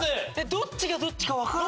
どっちがどっちか分からん。